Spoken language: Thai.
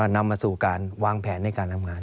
นำมาสู่การวางแผนในการทำงาน